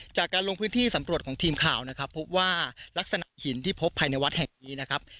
จากการลงพื้นที่สำรวจของทีมข่าวนะครับพบว่ารักษณะหินที่พบภายในวัดแห่งนี้นะครับ